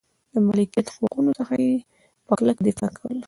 د مالکیت حقونو څخه یې په کلکه دفاع کوله.